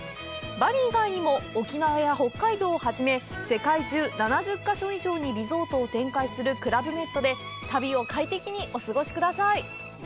バリ以外にも沖縄や北海道を初め世界中、７０か所以上にリゾートを展開するクラブメッドで旅を快適にお過ごしください。